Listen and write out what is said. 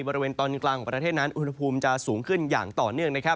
บริเวณตอนกลางของประเทศนั้นอุณหภูมิจะสูงขึ้นอย่างต่อเนื่องนะครับ